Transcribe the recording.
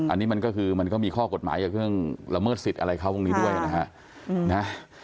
อันนี้มันก็คือมันก็มีข้อกฎหมายกับเครื่องละเมิดสิทธิ์อะไรเขาตรงนี้ด้วยนะฮะ